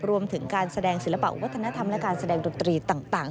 รวมถึงการแสดงศิลปะวัฒนธรรมและการแสดงดนตรีต่าง